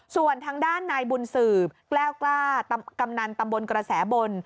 ส่วนทางด้านนายบุญสืบแก้วกล้ากำนันตำบลกระแสบน